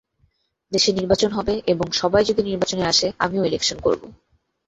দেশে নির্বাচন হবে এবং সবাই যদি নির্বাচনে আসে, আমিও ইলেকশন করব।